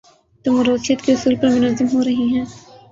تو موروثیت کے اصول پر منظم ہو رہی ہیں۔